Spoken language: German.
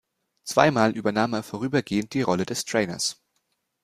Zweimal übernahm er vorübergehend die Rolle des Trainers.